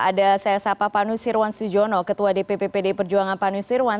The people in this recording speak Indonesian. ada saya sapa panusirwan sujono ketua dpp pd perjuangan panusirwan